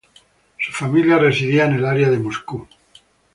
Su familia residía en el área de Moscú.